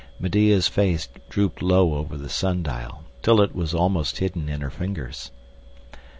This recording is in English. Medea's face drooped low over the sun dial, till it was almost hidden in her fingers.